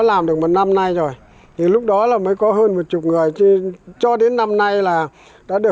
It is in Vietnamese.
làm được một năm nay rồi thì lúc đó là mới có hơn một chục người thì cho đến năm nay là đã được